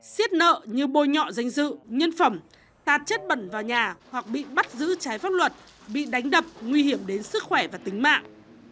xiết nợ như bôi nhọ danh dự nhân phẩm tạt chất bẩn vào nhà hoặc bị bắt giữ trái pháp luật bị đánh đập nguy hiểm đến sức khỏe và tính mạng